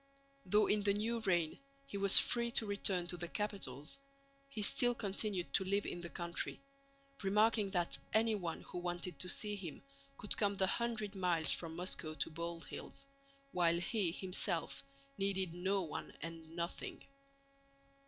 Though in the new reign he was free to return to the capitals, he still continued to live in the country, remarking that anyone who wanted to see him could come the hundred miles from Moscow to Bald Hills, while he himself needed no one and nothing.